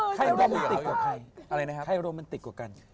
ใครโรแมนติกกว่ากัน